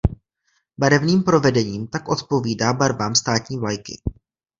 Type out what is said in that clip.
Barevným provedením tak odpovídá barvám státní vlajky.